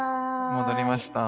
戻りました。